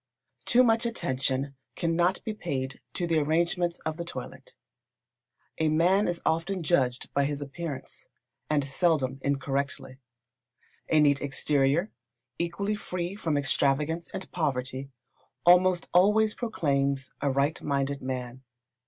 Too much attention cannot be paid to the arrangements of the toilet. A man is often judged by his appearance, and seldom incorrectly. A neat exterior, equally free from extravagance and poverty, almost always proclaims a right minded man.